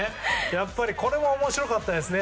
やっぱり、これも面白かったですね。